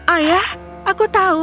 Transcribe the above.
ayah aku tahu